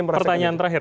mas pertanyaan terakhir